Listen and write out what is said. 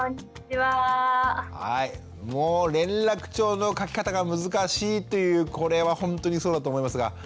もう連絡帳の書き方が難しいというこれはほんとにそうだと思いますが。